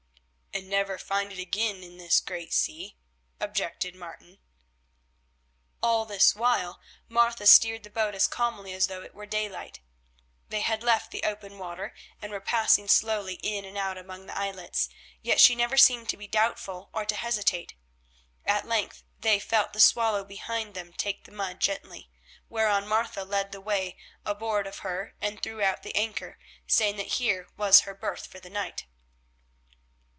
"And never find it again in this great sea," objected Martin. All this while Martha steered the boat as calmly as though it were daylight. They had left the open water, and were passing slowly in and out among islets, yet she never seemed to be doubtful or to hesitate. At length they felt the Swallow behind them take the mud gently, whereon Martha led the way aboard of her and threw out the anchor, saying that here was her berth for the night.